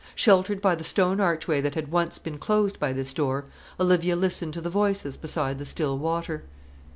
Sheltered by the stone archway that had once been closed by this door, Olivia listened to the voices beside the still water.